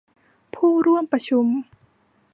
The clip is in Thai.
ผู้ร่วมประชุม